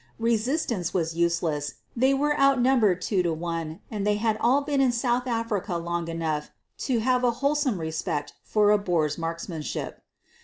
Resistance was useless — they were outnumbered two to one and they had all been in South Africa long enough to have a wholesome respect for a Boer's marksmanship.